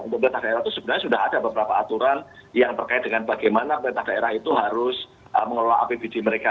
pemerintah daerah itu sebenarnya sudah ada beberapa aturan yang terkait dengan bagaimana pemerintah daerah itu harus mengelola apbd mereka